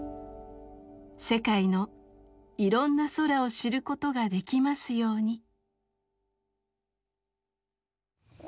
世界のいろんな空を知ることができますように。